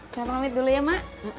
saya pamit dulu ya mak